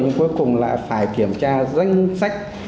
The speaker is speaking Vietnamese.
nhưng cuối cùng là phải kiểm tra danh sách